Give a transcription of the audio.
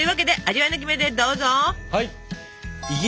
はい！